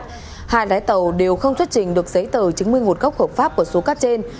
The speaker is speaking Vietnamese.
hai đáy tàu đều không xuất trình được giấy tờ chứng minh một góc khẩu pháp của số cát trên